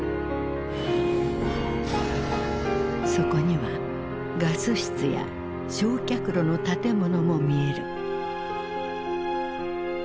そこにはガス室や焼却炉の建物も見える。